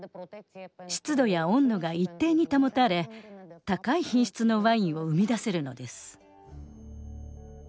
湿度や温度が一定に保たれ高い品質のワインを生み出せるのです。